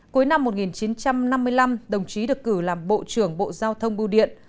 cuối năm một nghìn chín trăm năm mươi năm đồng chí được cử làm bộ trưởng bộ giao thông bưu điện